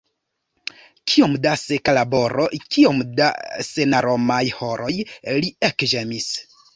"Kiom da seka laboro, kiom da senaromaj horoj!" li ekĝemis.